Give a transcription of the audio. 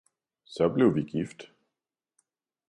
'Så blev vi gift!